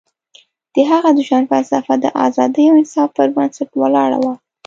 د هغه د ژوند فلسفه د ازادۍ او انصاف پر بنسټ ولاړه وه.